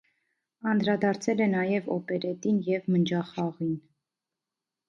Անդրադարձել է նաև օպերետին և մնջախաղին։